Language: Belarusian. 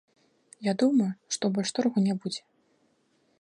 Я думаю, што больш торгу не будзе.